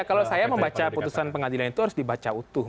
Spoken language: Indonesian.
kalau saya membaca putusan pengadilan itu harus dibaca utuh